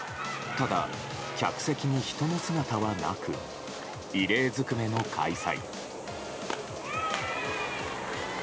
ただ、客席に人の姿はなく異例ずくめの開催。